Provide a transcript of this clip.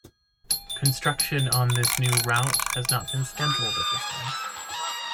Construction on this new route has not been scheduled at this time.